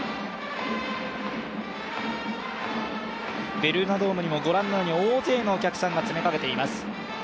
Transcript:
ベルーナドームにもご覧のように大勢のお客さんが詰めかけています。